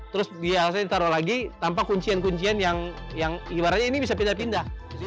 terus biasanya ditaruh lagi tanpa kuncian kuncian yang ibaratnya ini bisa pindah pindah